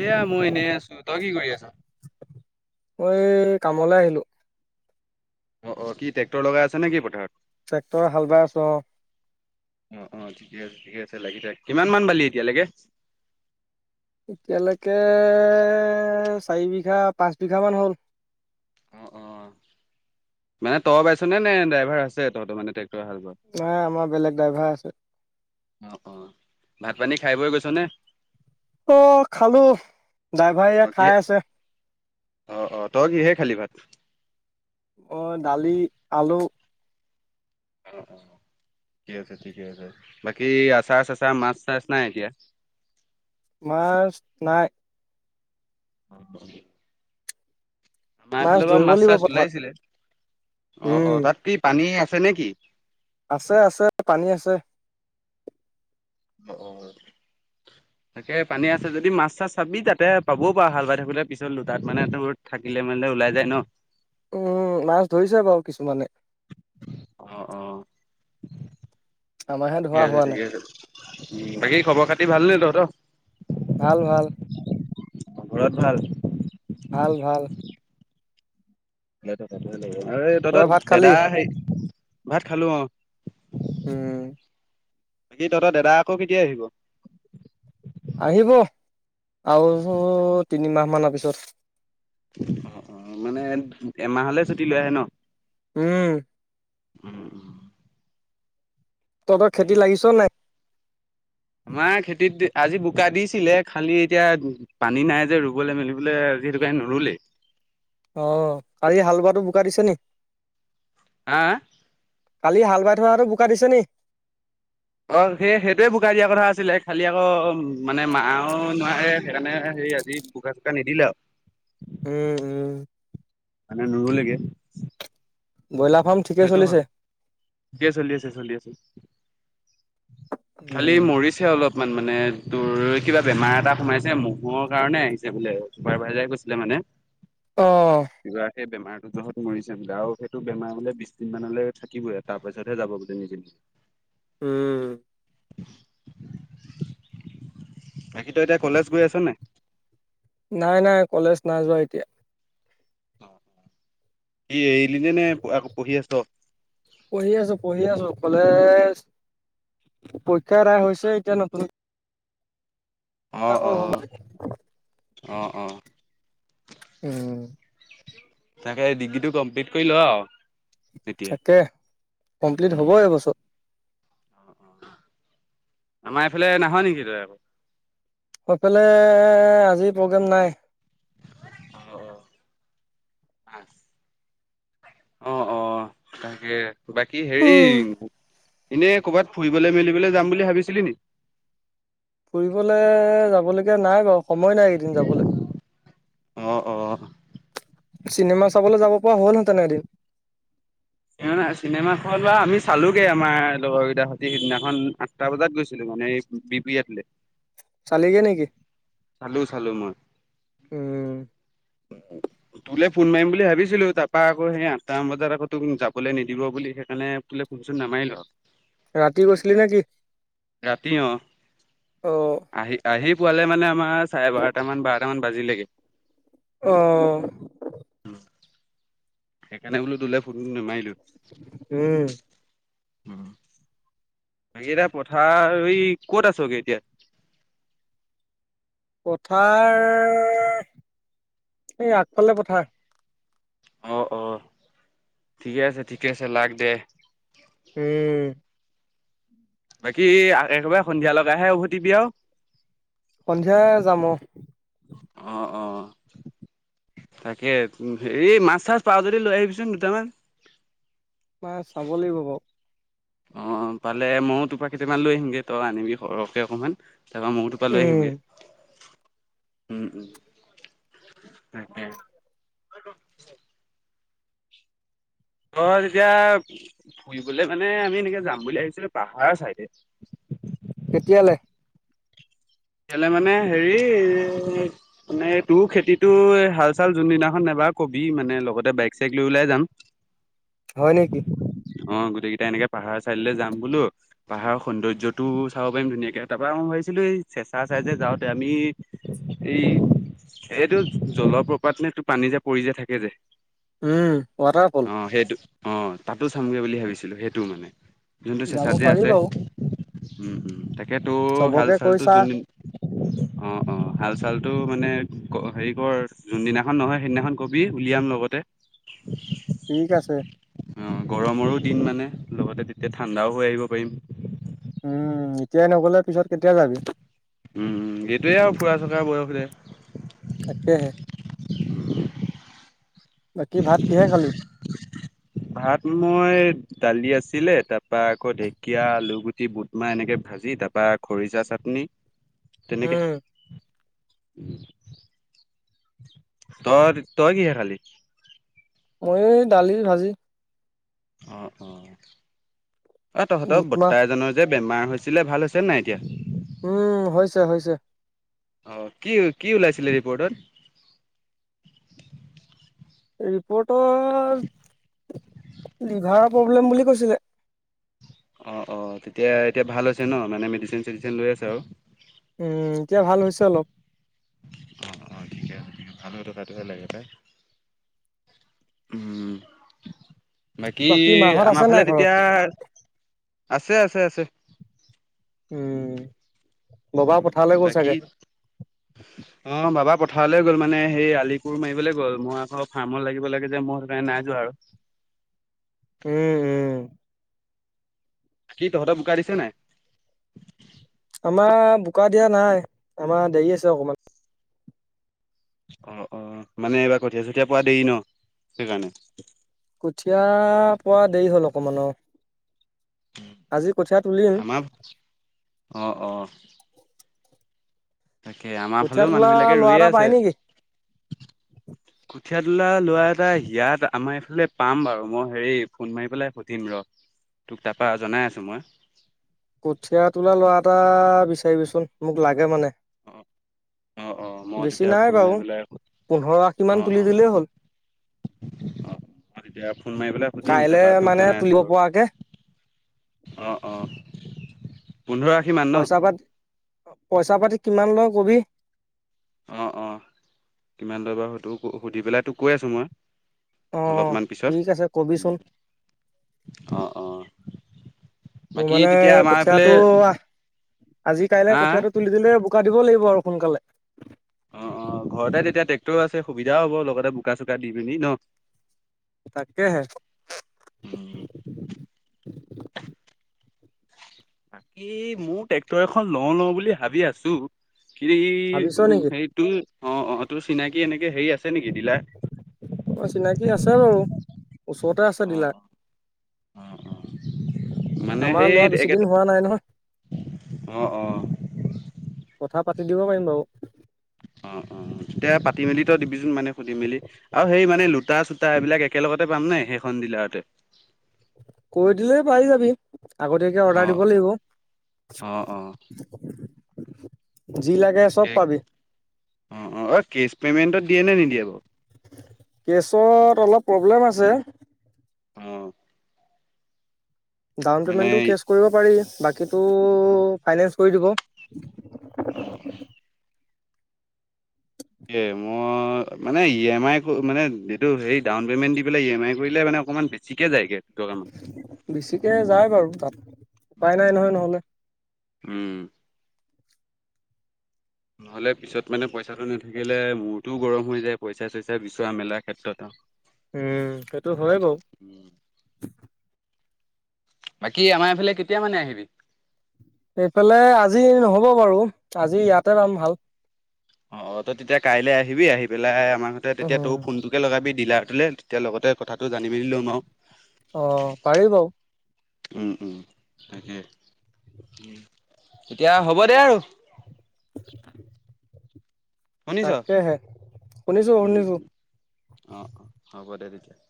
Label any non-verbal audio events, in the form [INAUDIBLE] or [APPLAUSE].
এয়া মই এনেই আছো তই কি কৰি আছ। মই কামলৈ আহিলো। অ অ কি ট্ৰেক্টৰ লগাই আছে নে কি পথাৰত- ট্ৰেক্টৰ হাল বাই আছোঁ অ তই লাগি থাক কিমান মান বালি এতিয়ালৈকে। এতিয়ালৈকে চাৰি বিঘা পাঁচ বিঘামান হ'ল। অ অ মানে তই বাইছ নে নে ড্ৰাইভাৰ আছে তহঁতৰ মানে। হাল বোৱা? নাই আমাৰ বেলেগ ড্ৰাইভাৰ আছে। অ অ ভাত পানী খাই বৈ গৈছ নে। অ খালো ড্ৰাইভাৰে এয়া খাই আছে। আহ অ তই কিহে খালী ভাত, অ দালি, আলু, - উম উম ঠিকে আছে ঠিকে আছে বাকী আচাৰ চাচাৰ মাছ চাছ নাই এতিয়া। মাছ নাই। হবই আমাৰফালে বাৰু ধৰিব মাছ লাগিব চাছ পথাৰত ওলাইছিলে অ অ উম তাত কি পানী আছ। দিছ নেকি- আছে আছে পানী, আছে। অ তাকে পানী আছে যদি মাছ চাছ চাবি তাতে পাবও পাৰ হাল বাই থাকো পিছতো লোতাত মানে ৰৈ থাকি। থাকিলে মানে ওলাই যায় ন উম মাছ ধৰিছে বাৰু কিছুমানে। আহ আহ আমাৰহে ঠিকে ধৰা আছে হোৱা নাই ঠিকে আছে। বাকী খবৰ খাতি ভাল নে তহঁতৰ? ভাল ভাল। ঘৰত ভাল ভাল ভাল তই তহত ভাত খালি দাদা হে ভাত খালো অ। উম বাকি তহঁতৰ দাদা আকৌ কেতিয়া আহিব? আহিব আৰু তিনিমাহ মানৰ পিছত। অ অ মানে এমাহলে ছুটি লৈ আহে ন উম উম উম তহঁতৰ ঠিকে। খেতি লাগিছ নাই? আমাৰ খেতিত। আজি বোকা দিছিলে, খালি এতিয়া পানী নাই যে ৰুবলৈ মেলিবলৈ আজি হেতু কাৰণে নুৰুলেই। [INAUDIBLE] আহ, কালি হাল বোৱাটো বোকা দিছে নি? হা কালি হাল বাই থোৱাটো বোকা দিছে নি? অ সেই সেইটোৱে বোকাই দিয়া কথা আছিলে খালি আকৌ মানে মাও নোৱাৰে সেইকাৰণে, আজি বোকা চোকা নিদিলে আৰু। উম উম মানে নোৰুলেগে ব্ৰইলাৰ ফাৰ্ম ঠিকে সেইটো হয় চলিছে দিয়ে চলি আছে চলি আছে। খালি মৰিছে অলপ। কিছুমান মানে দূৰ কিবা বেমাৰ এটা সোমাইছে মহৰ কাৰণে আহিছে বোলে চুপাৰভাইজাৰে কৈছিলে মানে। অ কিবা সেই বেমাৰো জহত মৰিছে বোলে, আৰু সেইটো বেমাৰবোলে পাঁচদিন মানলৈ থাকিবই তাৰ পাছতহে যাব বোলে নিজনি। উম বাকী তো এতিয়া কলেজ গৈ আছ নাই? নাই নাই কলেজ নাইযোৱা এতিয়া কি এৰি এনেই নে আক পঢ়ি আছ পঢ়ি আছো পঢ়ি আছো কলেজ পৰীক্ষা এদাই হৈছে এতিয়া নতুন আকৌ হ'ব অহ অঁহ উম তাকে ডিগ্ৰীটো কমপ্লিট কৰি ল আও। তাকে কমপ্লিট হব এইবছৰ অহ আমাৰ এইফালে নাআহ নেকি তই আকৌ সেইফালে আজি প্ৰগ্ৰেম নাই। অহ আচ অহ অহ তাকে বাকী হেৰি এনেই কৰ'বাত ফুৰিবলৈ মেলিবলৈ যাম বুলি ভাবিছিলি নি? ফুৰিবলে যাবলগীয়া নাই বাৰু সময় নাই এদিন যাবলে। অ', অ'। চিনেমা চাবলৈ যাব পৰা হ'ল হেঁতেনে এদিন। কিয়না চিনেমা খন বা আমি চালোগে আমাৰ লগৰ কেইটাৰ ৰাতি সিদিনাখন আঠটা বজাত গৈছিলো। মানে বি পি আতলে চালিগে নেকি চালো চালো মই। উম তোলে ফোন মাৰিম বুলি ভাবিছিলো তাৰপা আকৌ সেই আঠটামান বজাত আকৌ তোক যাবলৈ নিদিব বুলি সেইকাৰণে তোলে ফোনচোন নামাৰিলো ৰাতি গৈছিলি নেকি ৰাতি অহ অ আহি আহি পোৱালে মানে আমাৰ চাৰে বাৰটা মান বাৰটা মান বাজিলে গে অহ সেইকাৰণে বোলো তোলে ফোন নামাৰিলো উম উম বাকী এতিয়া পথাৰ ৰোই ক'ত আছগে এতিয়া পথাৰৰ এই আগফালে পথাৰ অহ অহ ঠিকে আছে ঠিকে আছে লাগ দে উম বাকী একেবাৰে সন্ধিয়া লগাইহে উভতিবি আউ সন্ধিয়া যাম অহ অ', অ', তাকে হেৰি মাছ চাচ পাওঁ যদি লৈ আহিবিচোন দুটামান মই চাব লাগিব বাৰু। অক্ষ পালে ময়ো তোপা কেইটামান লৈ আহিমগে তই আনিবি সৰহকে অকণমান তাপা ময়ো তোপা লৈ উম, আহিমগে উম তাকে তই এতিয়া ফুৰিবলে মানে আমি এনেকে যাম বুলি ভাবিছিলো পাহাৰৰ চাইদে কেতিয়ালে কেলে মানে হেৰি মানে তোৰ খেতিটো হাল চাল যোনদিনাখন নেবাও তই কবি মানে লগতে বাইক চাইক লৈ ওলাই যাম হয় নেকি অহ গোটেইকেইটা এনেকে পাহাৰৰ চাইদলে যাম বোলো পাহাৰৰ সৌন্দৰ্যটো চাব পাৰিম ধুনীয়াকে তাৰ পৰা আও ভাবিছিলো এই চেঁচা চাইদে তে যাওঁ আমি এই এইটো জলপ্ৰবাত নে এইতো পানী যে পৰি যে থাকে যে উম ৱাটাৰফল অহ তাতো চামগৈ বুলি ভাবিছিলোঁ সেইটো মানে যোনটো যাব চেঁচাত যে পাৰি আছে বাৰু উম উম তাকেতো হাল চবকে চাল চালটো কৈছা যোন দিন অহ অহ হাল চাল টো মানে ক হেৰি কৰ যোনদিনাখন নহয় সেইদিনাখন কবি উলিয়াম লগতে [UNINTELLIGIBLE] ঠিক আছে। অ গৰমৰো দিন মানে লগতে তেতিয়া ঠাণ্ডাও হৈ আহিব পাৰিম। উম এতিয়াই নগলে পিছত কেতিয়া যাবি। উম উম এইটোৱে আৰু ফুৰা চোৱা বয়স দে তাকেহে বাকী ভাত কিহে খালী? ভাত মই দালি আছিলে তাৰপা আকৌ ঢেকীয়া আলুগুটি বুটমাহ এনেকে ভাত ভাজি তাৰপা খৰিচা চাটনি তেনেকে। উম, ত তই কিহে খালি? মই দালি ভাজি। অ অ অ তহতৰ বুট মাহ বৰ্তা এজনৰ যে বেমাৰ হৈছিলে ভাল হৈছে নাই এতিয়া। ওম হৈছে হৈছে অহ কি কি ওলাইছিলে ৰিপৰ্টত? ৰিপৰ্টত লিভাৰৰ প্ৰব্লেম বুলি কৈছিলে। অ অ তেতিয়া এতিয়া ভাল হৈছে ন মানে মেডিচিন চেডিচিন লৈ আছে আৰু। ওম এতিয়া ভাল হৈছে অলপ। অ অ ঠিকে ভাল হৈ থকাতো হে লাগে পাই। উম বাকী মাহত আমাৰ আছে ফালে নাই ঘৰত? তেতিয়া আছে আছে আছে। উম। ববা পথাৰলৈ গ'ল বাকী চাগে অ বাবা। পথাৰলৈ গ'ল মানে সেই আলি কোৰ মাৰিবলৈ গ'ল মই আকৌ ফাৰ্মত লাগিব লাগে যে মই সেইকাৰণে নাই যোৱা আৰু। [UNINTELLIGIBLE] উম উম কি তহঁত বোকা দিছে নাই? আমাৰ বোকা দিয়া নাই আমাৰ দেৰি আছে অকমান। অ অ মানে এইবাৰ কঠীয়া চঠীয়া পোৱা দেৰি ন সেইকাৰণে। কঠীয়া পোৱা দেৰি হ'ল অকমান অহ। আজি কঠিয়া তুলিম। আমাৰ অ অ তাকে আমাৰ কঠীয়া ফালেও মানুহ তোলা বিলাকে ল'ৰা ৰুই এটা আছে। পাই নেকি কঠীয়া তোলা ল'ৰা এটা ইয়াত আমাৰ এইফালে পাম বাৰু মই হেৰি ফোন মাৰি পেলাই সুধিম ৰহ। তোক তাৰপা জনাই আছোঁ মই। কঠিয়া তোলা ল'ৰা এটা বিচাৰিবিচোন মোক লাগে মানে। অহ। বেছি নাই বাৰু পোন্ধৰ আশী অ মান তুলি দিলেই হ'ল। অ তেতিয়া ফোন মাৰি পেলাই সুধিম কাইলে তাৰপা তোক মানে জনাই আছোঁ তুলিব পৰাকে বাৰু। অহ অঁ পইচা পাতি পইচা পাতি কিমান লয় কবি। অ অ কিমান লয় বাৰু সেইটো সুধি পেলাই তোক কৈ আছোঁ মই। অ অলপমান পিছত ঠিক আছে কবিচোন অ অ তোৰ বাকী মানে তেতিয়া আমাৰ এইফালে কঠিয়াতটো আহ আজি কাইলৈ হা কঠিয়াটো তুলি দিলে বোকা দিব লাগিব আৰু সোনকালে অহ অহ ঘৰতে তেতিয়া ট্ৰেক্টৰো আছে সুবিধাও হ'ব লগতে বোকা চোকা দি পিনি ন। তাকেহে। বাকী মোৰ ট্ৰেক্টৰ এখন লওঁ লওঁ বুলি ভাবি আছোঁ। কিন্তু ই ভাবিছ উ নেকি হেৰি তোৰ অহ অহ তোৰ চিনাকি এনেকে হেৰি আছে। নেকি ডিলাৰ? অ চিনাকি আছে বাৰু। ওচৰতে আছে ডিলাৰ অহ অহ মানে আমাৰ সেই লোৱা বেছি দিন একেটা হোৱা নাই নহয় অ অ কথা পাতি দিব পাৰিম বাৰু অহ অহ তেতিয়া পাতি মেলি তই দিবিচোন মানে সুধি মেলি আৰু সেই মানে লো ইস্কতা চস্কতা এইবিলাক একেলগতে পাম নে সেইখন ডিলাৰতে কৈ দিলে পাই যাবি আগতীয়াকে অৰ্ডাৰ অ', দিব লাগিব অ', অ', যি লাগে তাকে চব পাবি অ অ ঐ কেছ পেমেণ্টত দিয়ে নে নিদিয়ে বাও কেছত অলপ প্ৰব্লেম আছে অহ ডাউন পেমেণ্টটো কেছ কৰিব পাৰি বাকীটো ফাইনেন্স কৰি দিব অহ অহ এই মই মানে ই এম আই মানে এইটো হে ডাউন পেমেন্ট দি পেলাই ই এম আই কৰিলে মানে অকণমান বেছিকে যায়গে দুটকামান। বেছিকে যায় বাৰু তাত উপায় নাই নহয় নহলে উম নহলে পিছত মানে পইচাটো নাথাকিলে মূৰটোও গৰম হৈ যায় পইচা চইচা বিচৰা মেলা ক্ষেত্ৰতো উম সেইটো হয় বাও বাকী আমাৰ এইফালে কেতিয়া মানে আহিবি এইফালে আজি নহব বাৰু আজি ইয়াতে বাম হাল অ তই তেতিয়া কাইলে আহিবি আহি পেলাই আমাৰ হতে তেতিয়া উম তই ফোনটোকে লগাবি দিলাৰ। বোলে তেতিয়া লগতে কথাটো জানি মেলি লম আও অ পাৰিব উম উম তাকেই এতিয়া হ'ব দে আৰু শুনিছ তাকেহে শুনিছো উম শুনিছো উম অ অ হ'ব দে তে [INAUDIBLE]